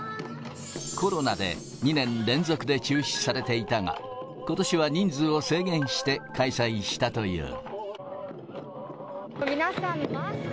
コロナで２年連続で中止されていたが、ことしは人数を制限して開催したという。